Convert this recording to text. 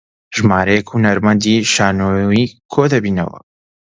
ژمارەیەک هونەرمەندی شانۆێکۆدەبنەوە